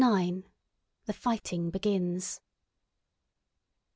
IX. THE FIGHTING BEGINS.